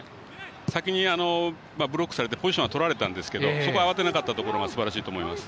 先に、ブロックされてポジションとられたんですが慌てなかったところがすばらしいと思います。